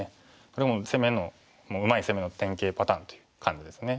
これもうまい攻めの典型パターンという感じですね。